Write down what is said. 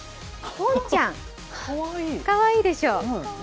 ぽんちゃん、かわいいでしょう。